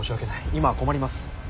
今は困ります。